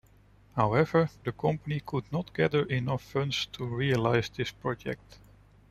However the company could not gather enough funds to realise this project.